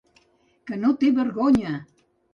Que no té vergonya!